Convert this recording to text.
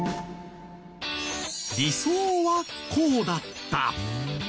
理想はこうだった。